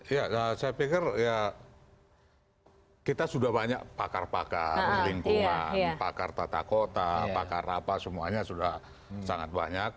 ya saya pikir ya kita sudah banyak pakar pakar lingkungan pakar tata kota pakar apa semuanya sudah sangat banyak